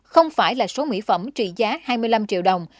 không phải là số mỹ phẩm trị giá hai mươi năm triệu đồng